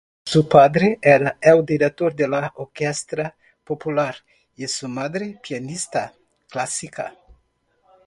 Su padre era el director de la Orquesta Popular y su madre pianista clásica.